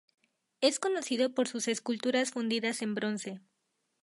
Es conocido por sus esculturas fundidas en bronce.